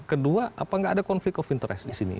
kedua apa nggak ada konflik of interest di sini